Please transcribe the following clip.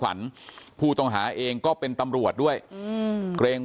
เพราะไม่เคยถามลูกสาวนะว่าไปทำธุรกิจแบบไหนอะไรยังไง